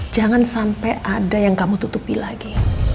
jangan sampai ada yang kamu tutupi lagi